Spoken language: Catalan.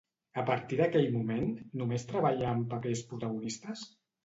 A partir d'aquell moment només treballà amb papers protagonistes?